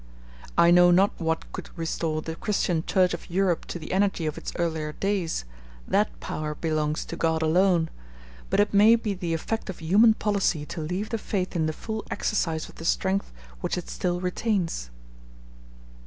I know not what could restore the Christian Church of Europe to the energy of its earlier days; that power belongs to God alone; but it may be the effect of human policy to leave the faith in the full exercise of the strength which it still retains.